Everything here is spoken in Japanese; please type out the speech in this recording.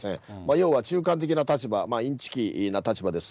要は中間的な立場、いんちきな立場です。